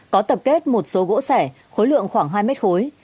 có tập kết một số gỗ sẻ khối lượng khoảng hai mét khối